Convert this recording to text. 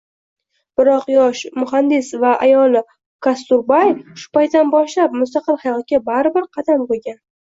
Biroq yosh Mohandas va ayoli Kasturbay shu paytdan boshlab mustaqil hayotga baribir qadam qoʻygan